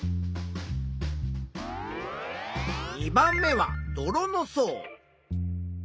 ２番目は泥の層。